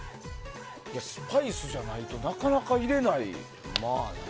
スパイスじゃないとなかなか入れないよな。